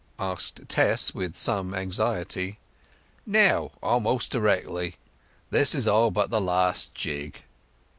asked Tess with some anxiety. "Now—a'most directly. This is all but the last jig."